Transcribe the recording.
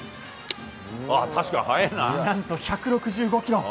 何と、１６５キロ！